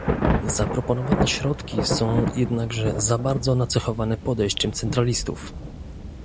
Zaproponowane środki są jednakże za bardzo nacechowane podejściem centralistów